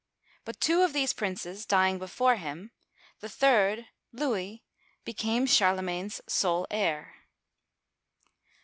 But two of these princes dying before him, the third, Louis, became Charlemagne's sole heir.